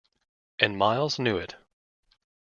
And Miles knew it.